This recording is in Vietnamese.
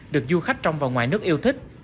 được du khách trong và ngoài nước yêu thích